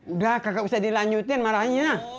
udah kakak usah dilanjutin marahnya